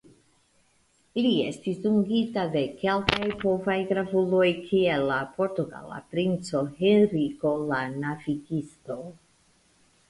Li estis dungita de kelkaj povaj gravuloj kiel la portugala princo Henriko la Navigisto.